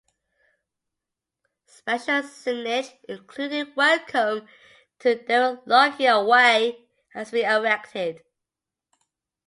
Special signage including "Welcome to Darren Lockyer Way" has been erected.